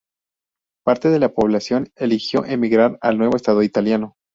Parte de la población eligió emigrar al nuevo estado italiano.